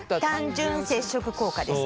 単純接触効果です。